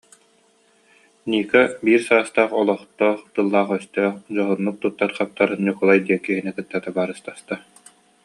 Ника биир саастаах, олохтоох тыллаах-өстөөх, дьоһуннук туттар-хаптар Ньукулай диэн киһини кытта табаарыстаста